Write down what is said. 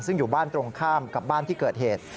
ซึ่งอยู่บ้านตรงข้ามกับบ้านที่เกิดเหตุ